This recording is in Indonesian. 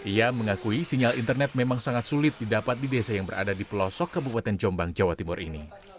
ia mengakui sinyal internet memang sangat sulit didapat di desa yang berada di pelosok kabupaten jombang jawa timur ini